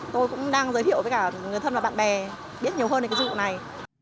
tôi cũng đang giới thiệu với cả người thân và bạn bè biết nhiều hơn về cái dịch vụ này